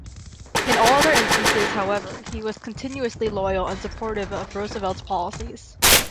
In all other instances, however, he was continuously loyal and supportive of Roosevelt's policies.